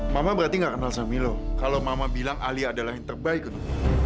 mama berarti gak kenal sama milo kalau mama bilang alia adalah yang terbaik itu